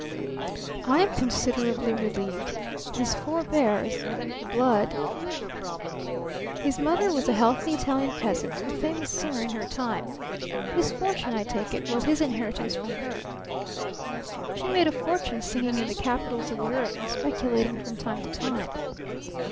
"I am considerably relieved. His forbears, the blood " "His mother was a healthy Italian peasant a famous singer in her time. His fortune, I take it, was his inheritance from her. She made a fortune singing in the capitals of Europe and speculating from time to time.